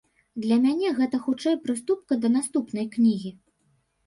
Для мяне гэта хутчэй прыступка да наступнай кнігі.